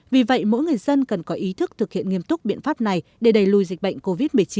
vì vậy mỗi người dân cần có ý thức thực hiện nghiêm túc biện pháp này để đẩy lùi dịch bệnh covid một mươi chín